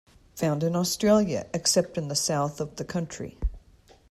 Found in Australia except in the south of the country.